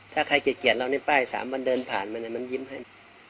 ถ้าใครเกลียดเรานี่ป้าย๓วันเดินผ่านมันยิ้มให้